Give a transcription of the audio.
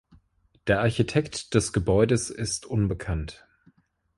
Der Architekt des Gebäudes ist unbekannt.